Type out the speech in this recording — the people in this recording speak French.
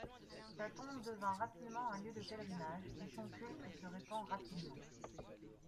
Sa tombe devint rapidement un lieu de pèlerinage et son culte se répand rapidement.